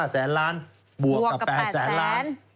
แสนล้านบวกกับ๘แสนล้าน